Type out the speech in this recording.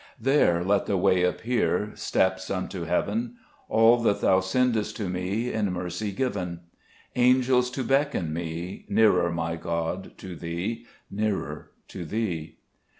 3 There let the way appear, Steps unto heaven : All that Thou send'st to me In mercy given : Angels to beckon me Nearer, my God, to Thee, Nearer to Thee